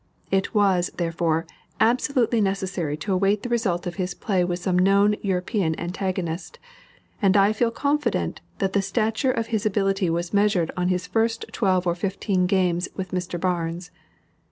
It was, therefore, absolutely necessary to await the result of his play with some known European antagonist; and I feel confident that the stature of his ability was measured on his first twelve or fifteen games with Mr. Barnes.